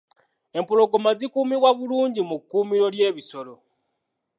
Empologoma zikuumibwa bulungi mu kkuumiro ly'ebisolo.